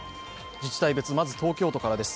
自治体別、東京都からです。